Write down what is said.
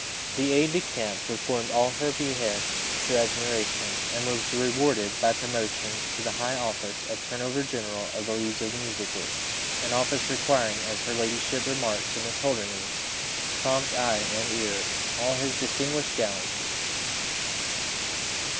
The aide de camp performed all her behests to admiration, and was rewarded by promotion to the high office of turner over general of the leaves of the music books, an office requiring, as her ladyship remarked to Miss Holdernesse, prompt eye and ear, and all his distinguished gallantry.